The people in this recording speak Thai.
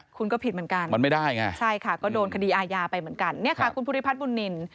คุณก็ผิดเหมือนกันมันไม่ได้ไงนี่ค่ะคุณพุทธิพัฒน์บุญนิน